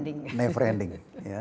bisa dikatakan never ending